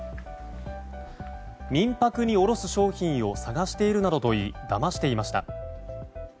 民泊に卸している商品を探しているなどと言いだましていました。